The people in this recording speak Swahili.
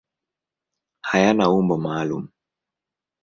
Hayana umbo maalum.